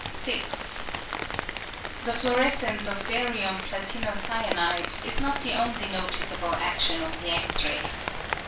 6. The fluorescence of barium platinocy anide is not the only noticeable action of the X rays.